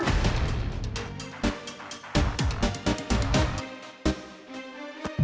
tadi gue ketawa duduk bareng sama atta